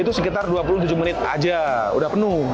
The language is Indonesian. itu sekitar dua puluh tujuh menit aja udah penuh